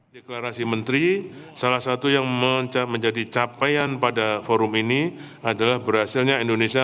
deklarasi menteri salah satu yang menjadi capaian pada forum ini adalah berhasilnya indonesia